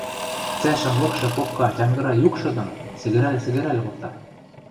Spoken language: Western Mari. цӓшӹм лыкшы попка тянгыра юкшы доно сӹгӹрӓл-сӹгӹрӓл колта.